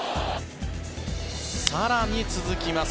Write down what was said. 更に続きます。